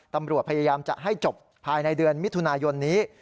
ตำรวจพยายามจะให้จบภายในเดือนมิถุนายนนี้